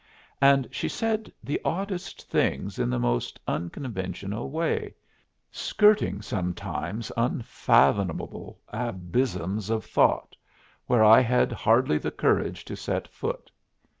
And she said the oddest things in the most unconventional way, skirting sometimes unfathomable abysms of thought, where I had hardly the courage to set foot.